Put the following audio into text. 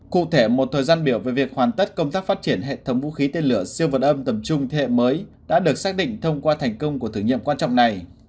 cụ thể một thời gian biểu về việc hoàn tất công tác phát triển hệ thống vũ khí tên lửa siêu vật âm tầm trung thế hệ mới đã được xác định thông qua thành công của thử nghiệm quan trọng này